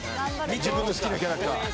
自分の好きなキャラクター